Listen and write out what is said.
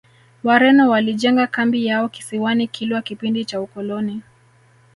wareno walijenga kambi yao kisiwani kilwa kipindi cha ukoloni